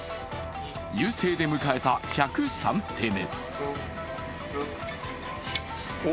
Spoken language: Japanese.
優勢で迎えた１０３手目。